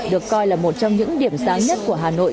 được coi là một trong những điểm sáng nhất của hà nội